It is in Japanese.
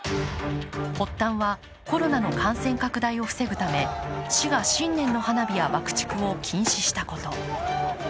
発端はコロナの感染拡大を防ぐため市が新年の花火や爆竹を禁止したこと。